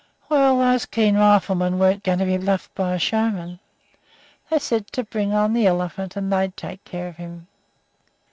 "Well, those Keene riflemen weren't going to be bluffed by a showman. They said to bring on the elephant, and they'd take care of him.